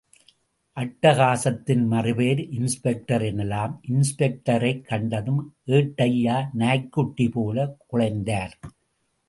அட்டகாசத்தின் மறுபெயர் இன்ஸ்பெக்டர் எனலாம். இன்ஸ்பெக்டரைக் கண்டதும் ஏட்டய்யா நாய்க்குட்டி போலக் குழைந்தார்.